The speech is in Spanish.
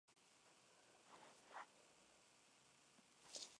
Un instrumentista tiene conocimientos sobre la ejecución de un instrumento específico.